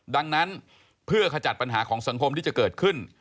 ดังนั้นเพื่อขจัดปัญหาของสังคมที่จะเกิดขึ้น